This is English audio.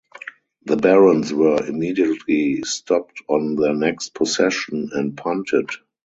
The Barons were immediately stopped on their next possession and punted.